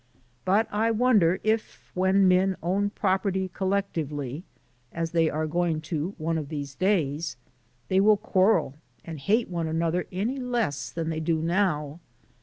But I wonder if when men own property collectively as they are going to one of these days they will quarrel and hate one another any less than they do now.